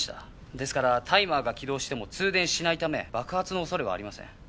ですからタイマーが起動しても通電しないため爆発の恐れはありません。